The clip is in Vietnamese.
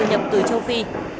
nhập từ châu phi